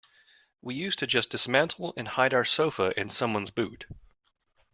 We used to just dismantle and hide our sofa in someone's boot.